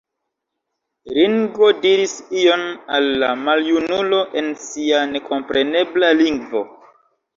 Ringo diris ion al la maljunulo en sia nekomprenebla lingvo.